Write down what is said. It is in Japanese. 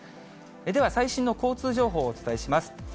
では最新の交通情報をお伝えします。